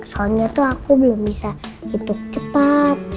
soalnya tuh aku belum bisa hidup cepat